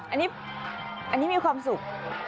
อันนี้มีความสุข